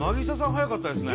早かったですね。